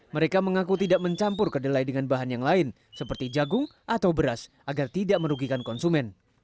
mereka mengaku tidak mencampur kedelai dengan bahan yang lain seperti jagung atau beras agar tidak merugikan konsumen